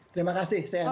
terima kasih cnn